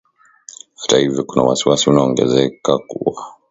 Hata hivyo kuna wasiwasi unaoongezeka wa